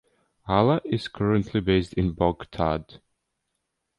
Alaa is currently based in Baghdad.